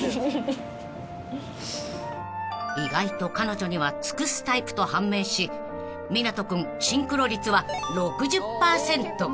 ［意外と彼女には尽くすタイプと判明し湊斗君シンクロ率は６０％］